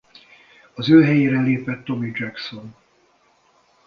Az ő helyére lépett Tommy Jackson.